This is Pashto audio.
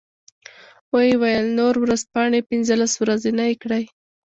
و یې ویل نورو ورځپاڼې پنځلس ورځنۍ کړې.